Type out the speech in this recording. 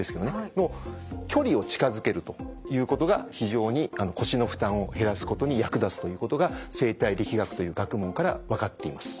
距離を近づけるということが非常に腰の負担を減らすことに役立つということが生体力学という学問から分かっています。